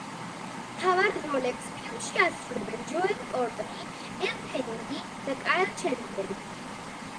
მთავარ როლებს ფილმში ასრულებენ ჯოელ კორტნი, ელ ფენინგი და კაილ ჩენდლერი.